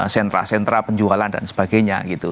sentra sentra penjualan dan sebagainya gitu